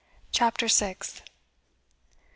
CHAPTER SIXTH.